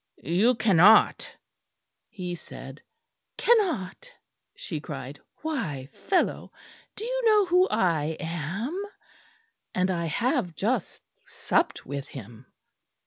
"You cannot," he said. "Cannot!" she cried; "why, fellow, do you know who I am? And I have just supped with him."